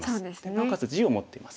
なおかつ地を持っています。